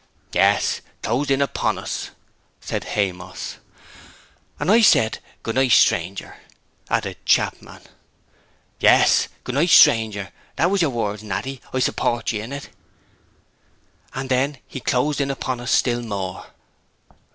'Yes, closed in upon us!' said Haymoss. 'And I said "Good night, strainger,"' added Chapman. 'Yes, "Good night, strainger," that wez yer words, Natty. I support ye in it.' 'And then he closed in upon us still more.'